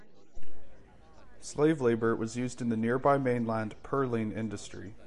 Slave labour was used in the nearby mainland pearling industry.